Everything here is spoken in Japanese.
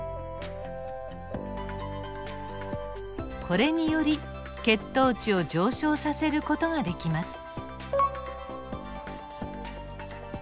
これにより血糖値を上昇させる事ができます。